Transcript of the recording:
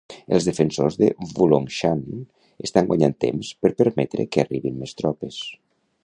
Els defensors de Wulongshan estan guanyant temps per permetre que arribin més tropes.